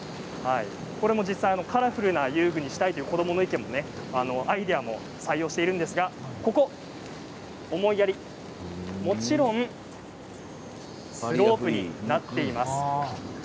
実際にカラフルな遊具にしたいという子どもの意見アイデアを採用しているんですが思いやり、もちろんスロープになっています。